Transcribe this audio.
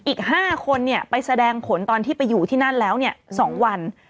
อีก๕คนไปแสดงผลตอนที่ไปอยู่ที่นั่นแล้ว๒วัน